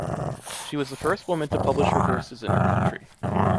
She was the first woman to publish her verses in her country.